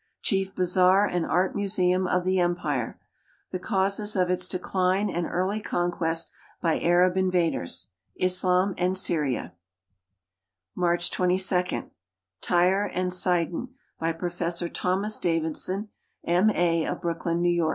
Chief bazaar and art museum of the empire. The causes of its decline and early conquest by Arab invaders. Islam and Syria. March 22. Tijre and Sidon, by Professor Tiiom.as Davidson , M. A., of Brooklyn, N. Y.